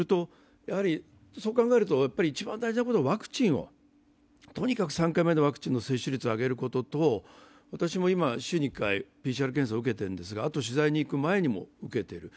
そう考えると一番大事なことはワクチンを、とにかく３回目のワクチンの接種率を上げることと私も今、週に１回、ＰＣＲ検査を受けているんですが、あと取材に行く前にも受けている。